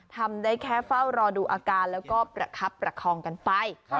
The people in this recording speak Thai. ทำได้แค่เฝ้ารอดูอาการแล้วก็ประคับประคองกันไป